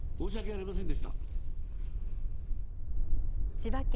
千葉県